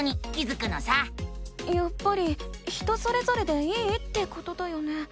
やっぱり人それぞれでいいってことだよね？